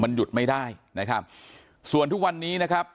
มันหยุดไม่ได้นะครับส่วนทุกวันนี้นะครับ